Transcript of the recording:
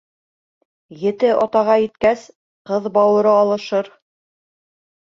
Ете атаға еткәс, ҡыҙ бауыры алышыр.